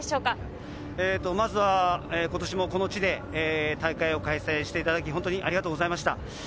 まずは今年もこの地で大会を開催していただき、本当にありがとうございました。